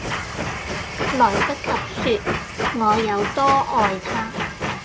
來不及說我有多愛他